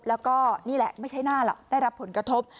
แล้วก็นี่แหละไม่ใช่หน้าหรอกได้รับผลกระทบ